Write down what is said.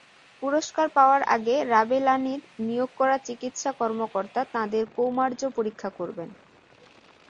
পুরস্কার পাওয়ার আগে রাবেলানির নিয়োগ করা চিকিত্সা কর্মকর্তা তাঁদের কৌমার্য পরীক্ষা করবেন।